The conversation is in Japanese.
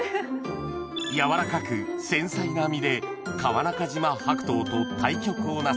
柔らかく繊細な実で川中島白桃と対極をなす